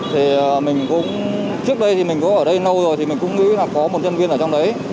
trước đây mình có ở đây lâu rồi thì mình cũng nghĩ là có một nhân viên ở trong đấy